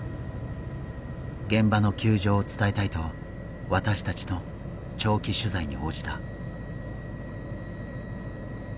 現場の窮状を伝えたいと私たちの長期取材に応じた。